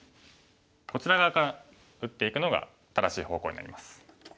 こちら側から打っていくのが正しい方向になります。